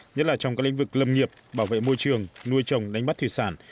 nhất là trong các lĩnh vực lâm nghiệp bảo vệ môi trường nuôi trồng đánh bắt thủy sản